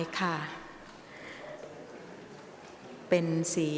ออกรางวัลที่๖เลขที่๗